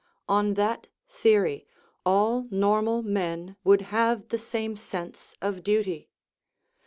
" On that theory all normal men would have the same sense of duty.